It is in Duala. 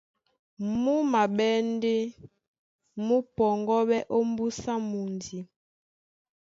Mú maɓɛ́ ndé mú pɔŋgɔ́ɓɛ́ ómbúsá mundi.